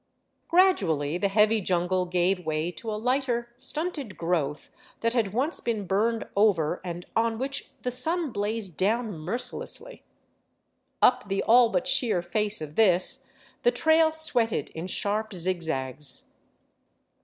Gradually the heavy jungle gave way to a lighter, stunted growth that had once been burned over and on which the sun blazed down mercilessly. Up the all but sheer face of this the trail sweated in sharp zigzags.